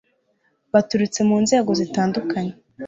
baturutse mu nzego zitandukanye